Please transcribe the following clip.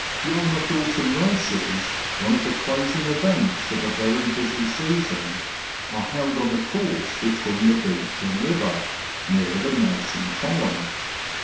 Yarmouth Autumn Races, one of the closing events of a very busy season, are held on the course between the beach and river, near the Nelson Column.